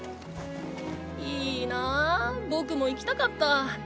いーなー僕も行きたかった。